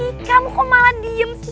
nih kamu kok malah diem sih